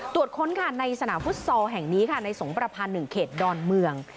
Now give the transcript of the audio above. ตรวจค้นค่ะในสนามฟุตซอลแห่งนี้ค่ะในสงประพา๑เขตดอนเมือง